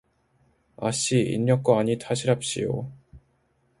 아씨, 인력거 아니 타시랍시요.